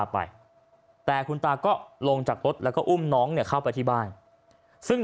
ไปแต่คุณตาก็ลงจากรถแล้วก็อุ้มน้องเนี่ยเข้าไปที่บ้านซึ่ง